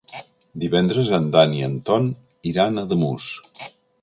Divendres en Dan i en Ton iran a Ademús.